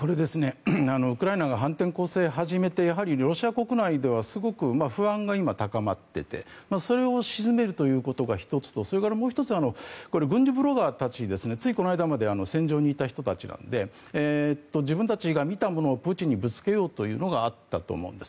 ウクライナが反転攻勢を始めて今、ロシア国内ではすごく不安が高まっていてそれを鎮めるということが１つとそれから、もう１つ軍事ブロガーとつい先日まで戦場にいた人たちなので自分たちが見たものをプーチンにぶつけようというのがあったと思うんです。